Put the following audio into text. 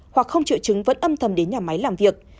hoặc không triệu chứng vẫn âm thầm đến nhà máy làm việc